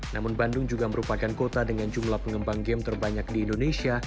namun bandung juga merupakan kota dengan jumlah pengembang game terbanyak di indonesia